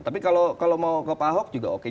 tapi kalau mau ke pak ahok juga oke